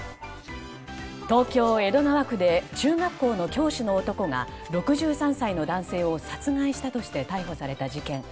東京・江戸川区で中学校の教師の男が６３歳の男性を殺害したとして逮捕された事件。